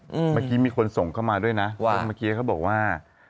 เมื่อกี้มีคนส่งเข้ามาด้วยนะว่าเมื่อกี้เขาบอกว่า